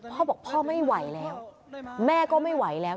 พ่อบอกพ่อไม่ไหวแล้วแม่ก็ไม่ไหวแล้ว